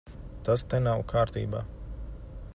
Tas te nav kārtībā.